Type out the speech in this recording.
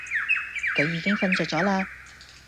佢已經瞓著咗喇